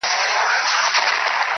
دام له سترګو وو نیهام خاورو کي ښخ وو -